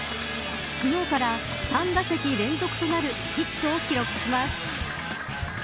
昨日から、３打席連続となるヒットを記録します。